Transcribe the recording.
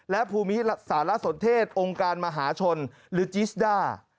และภูมิสารสนเทศองค์การมหาชนหรือจิสด้า